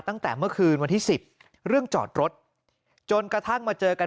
ตั้งแต่เมื่อคืนวันที่สิบเรื่องจอดรถจนกระทั่งมาเจอกัน